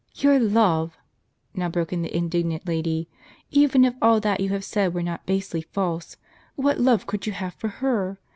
" Your love !" now broke in the indignant lady ;" even if all that you have said were not basely false, what love could you have for her